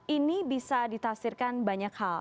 ini bisa ditafsirkan banyak hal